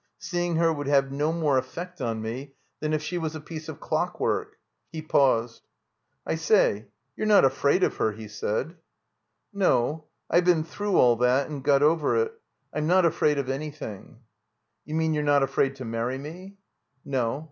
Seeing her would have no more effect on me than if she was a piece of clockwork." He paused. "I say — ^you're not afraid of her?" he said. "No. I've been through all that and got oyer it, I'm not afraid of anything." 328 THE COMBINED MAZE "You mean you're not afraid to marry me?" "No.